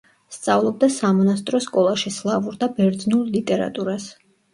სწავლობდა სამონასტრო სკოლაში სლავურ და ბერძნულ ლიტერატურას.